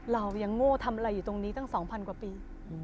เรายังโง่ทำอะไรอยู่ตรงนี้ตั้ง๒๐๐กว่าปี